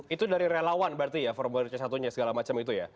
itu dari relawan berarti ya formulir c satu nya segala macam itu ya